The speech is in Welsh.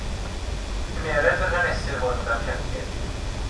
Cymered yr hanesyn hwn fel cynllun.